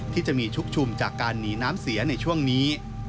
ที่จะมีชุกชุมจากการหนีน้ำเสียในช่วงนี้